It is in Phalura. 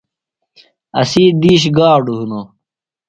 اسی دِیش گاڈُوۡ ہِنوۡ۔